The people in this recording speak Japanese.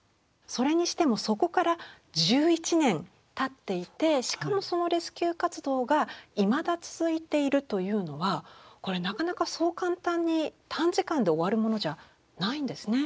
それにしてもそこから１１年たっていてしかもそのレスキュー活動がいまだ続いているというのはこれなかなかそう簡単に短時間で終わるものじゃないんですね。